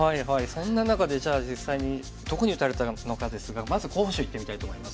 そんな中でじゃあ実際にどこに打たれたのかですがまず候補手いってみたいと思います。